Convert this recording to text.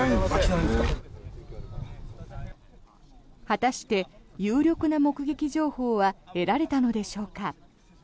果たして有力な目撃情報は得られたのでしょうか。